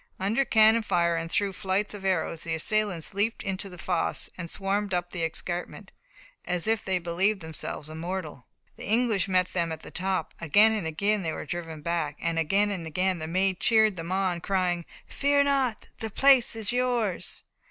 Under cannon fire and through flights of arrows, the assailants leaped into the fosse and swarmed up the escarpment, "as if they believed themselves immortal." The English met them at the top; again and again they were driven back, again and again the Maid cheered them on, crying: "Fear not! the place is yours!"